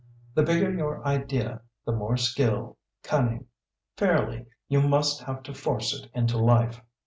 The bigger your idea, the more skill, cunning, fairly, you must have to force it into life."